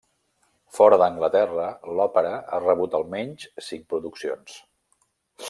Fora d'Anglaterra, l'òpera ha rebut almenys cinc produccions.